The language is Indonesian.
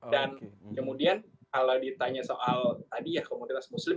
dan kemudian kalau ditanya soal tadi ya komunitas muslim